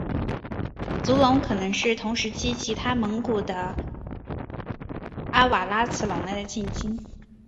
足龙可能是同时期其他蒙古的阿瓦拉慈龙类的近亲。